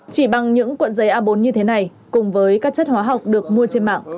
chỉ bằng những cuộn giấy a bốn như thế này cùng với các chất hóa học được mua trên mạng